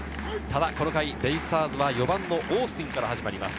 この回、ベイスターズは４番のオースティンから始まります。